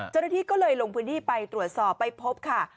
เจ้าหน้าที่ก็เลยลงพื้นที่ไปตรวจสอบไปพบค่ะ